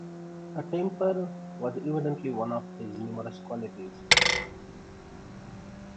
A temper was evidently one of his numerous qualities.